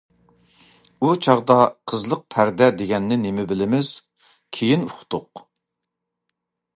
ئۇ چاغدا قىزلىق پەردە دېگەننى نېمە بىلىمىز، كېيىن ئۇقتۇق.